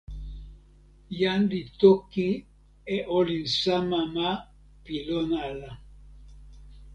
jan li toki e olin sama ma pi lon ala.